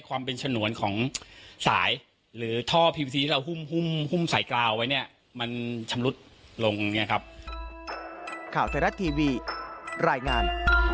ข่าวเทศทีวีรายงาน